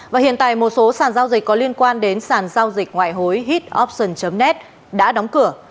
và hiện tại một số sàn giao dịch có liên quan đến sàn giao dịch ngoại hối hitoption net đã đóng cửa